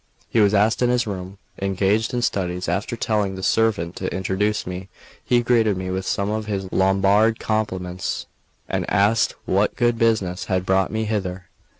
He was in his room, engaged in studies; after telling the servant to introduce me, he greeted me with some of his Lombard compliments, and asked what good business had brought me hither.